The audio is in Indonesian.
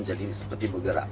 jadi seperti bergerak